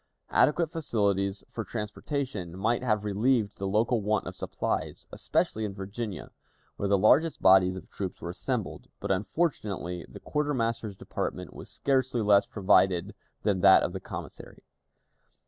Adequate facilities for transportation might have relieved the local want of supplies, especially in Virginia, where the largest bodies of troops were assembled; but, unfortunately, the quartermaster's department was scarcely less provided than that of the commissary.